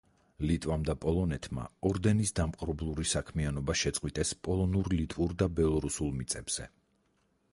ლიტვამ და პოლონეთმა ორდენის დამპყრობლური საქმიანობა შეწყვიტეს პოლონურ-ლიტვურ და ბელორუსულ მიწებზე.